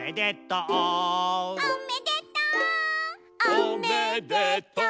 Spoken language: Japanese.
「おめでとう！」